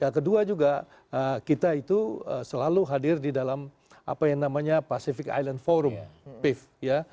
kedua juga kita itu selalu hadir di dalam apa yang namanya pacific island forum pief ya